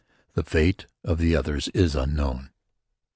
The fate of the others is unknown.